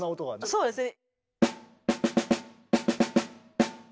そうですね。